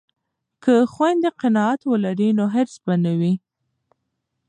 که خویندې قناعت ولري نو حرص به نه وي.